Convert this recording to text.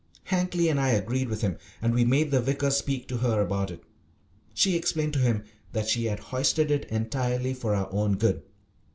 Hankly and I agreed with him, and we made the vicar speak to her about it. She explained to him that she had hoisted it entirely for our good.